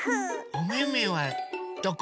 おめめはどこ？